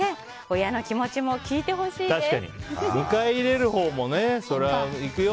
親の気持ちも聞いてほしいです。